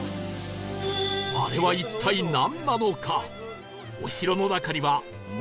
あれは一体なんなのか？